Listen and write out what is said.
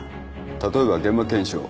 例えば現場検証。